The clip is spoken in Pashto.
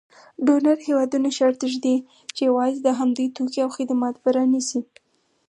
ډونر هېوادونه شرط ږدي چې یوازې د همدوی توکي او خدمات به رانیسي.